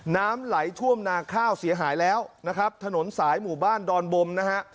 น้ำไหลท่วมนาข้าวเสียหายแล้วนะครับถนนสายหมู่บ้านดอนบมนะฮะ